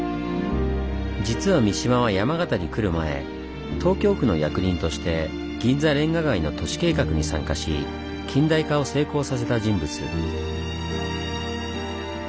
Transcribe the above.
実は三島は山形に来る前東京府の役人として銀座煉瓦街の都市計画に参加し近代化を成功させた人物。